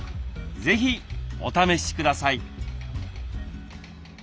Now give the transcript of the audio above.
是非お試しください。